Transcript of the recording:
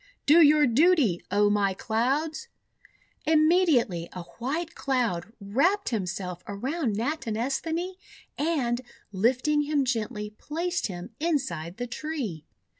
"Do your duty, O my Clouds!" Immediately a White Cloud wrapped him self around Natinesthani, and, lifting him gently, placed him inside the tree.